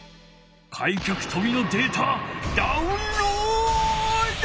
開脚とびのデータダウンロード！